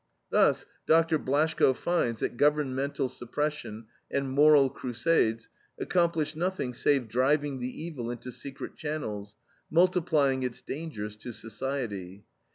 Thus Dr. Blaschko finds that governmental suppression and moral crusades accomplish nothing save driving the evil into secret channels, multiplying its dangers to society.